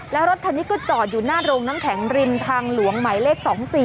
แล้วรถคันนี้ก็จอดอยู่หน้าโรงน้ำแข็งริมทางหลวงหมายเลข๒๔